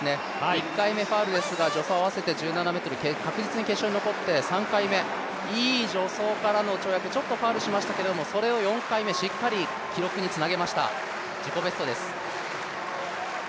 １回目ファウルですが助走合わせて１７ｍ、確実に決勝に残っていい助走からの跳躍ちょっとファウルしましたけどもそれを４回目、しっかり記録につなげました、自己ベストです。